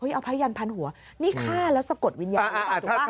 เอ้ยเอาพระยันทร์พันหัวนี่ฆ่าแล้วสะกดวิญญาณ